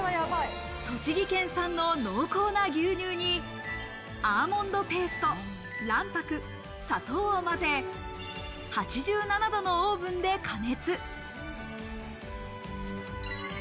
栃木県産の濃厚な牛乳にアーモンドペースト、卵白、砂糖をまぜ、８７度のオーブンで加熱。